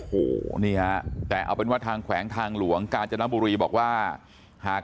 โอ้โหนี่ฮะแต่เอาเป็นว่าทางแขวงทางหลวงกาญจนบุรีบอกว่าหาก